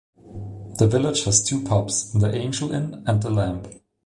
The village has two pubs: the "Angel Inn" and the "Lamb".